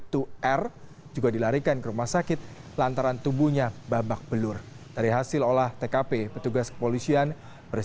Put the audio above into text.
tidak ada yang mau berpikir